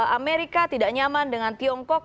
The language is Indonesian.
amerika tidak nyaman dengan tiongkok